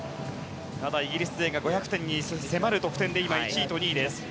ただイギリス勢が５００点に迫る得点で今、１位と２位です。